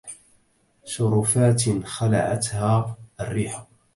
شرفاتٍ خلعتها الريحُ..